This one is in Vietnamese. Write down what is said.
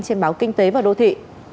xem báo kinh tế và đô thị